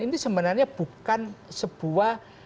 ini sebenarnya bukan sebuah